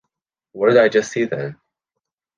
What did I just see then?